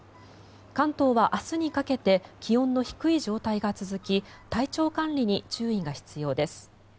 関東は明日にかけて気温の低い状態が続き体調管理に注意が必要です。